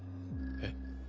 えっ？